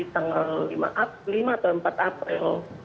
tanggal lima atau empat april